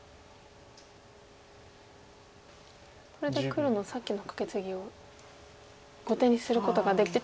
これで黒のさっきのカケツギを後手にすることができてちょっと白は。